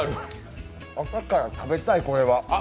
朝から食べたい、これは。